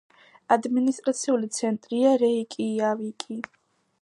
ადმინისტრაციული ცენტრია რეიკიავიკი.